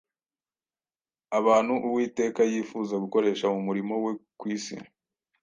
abantu Uwiteka yifuza gukoresha mu murimo we ku isi.